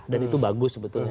dan itu bagus sebetulnya